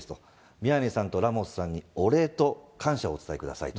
宮根さんとラモスさんにお礼と感謝をお伝えくださいと。